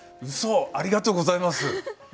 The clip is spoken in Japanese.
うそありがとうございます。